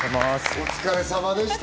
お疲れさまでした！